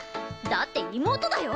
だって妹だよ！？